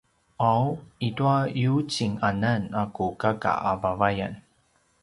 ’aw i tua yucinganan a ku kaka a vavayan